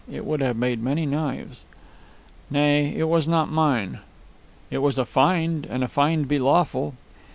It would have made many knives." "Nay, it was not mine." "It was a find, and a find be lawful."